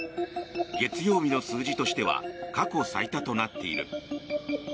月曜日の数字としては過去最多となっている。